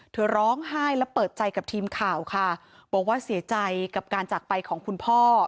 เธอร้องไห้และเปิดใจกับทีมข่าวค่ะบอกว่าเสียใจกับการจากไปของคุณพ่อ